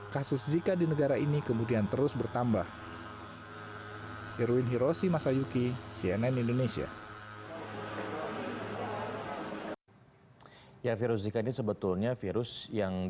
kasus zika di negara ini kemudian terus bertambah